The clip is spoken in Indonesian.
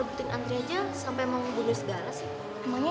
itu siapa sih kelas mana